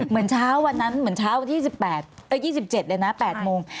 เหมือนเช้าวันนั้นเหมือนเช้าวันที่๒๗เลยนะ๘โมง